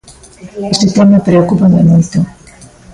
Ese tema preocúpame moito.